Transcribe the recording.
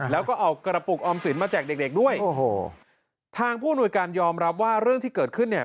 แล้วก็เอากระปุกออมศิลป์มาแจกเด็กด้วยทางผู้นวยการยอมรับว่าเรื่องที่เกิดขึ้นเนี่ย